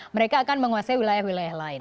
mereka akan menguasai wilayah wilayah lain